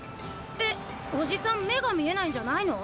えおじさん目が見えないんじゃないの？